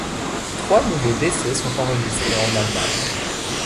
Trois nouveaux décès sont enregistrés en Allemagne.